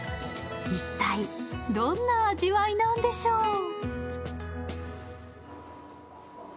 一体、どんな味わいなんでしょう？